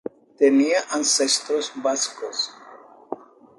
Tenía ancestros vascos.